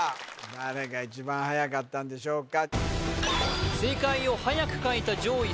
誰が一番はやかったんでしょうか？